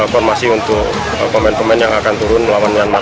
formasi untuk pemain pemain yang akan turun melawan myanmar